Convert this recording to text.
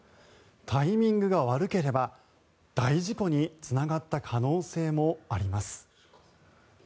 タイミングが悪ければ大事故につながった可能性もあります。